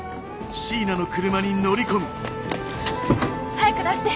早く出して！